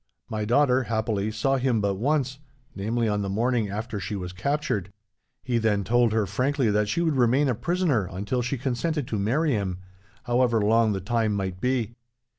'My daughter, happily, saw him but once; namely, on the morning after she was captured. He then told her, frankly, that she would remain a prisoner until she consented to marry him, however long the time might be.